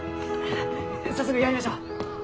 早速やりましょう！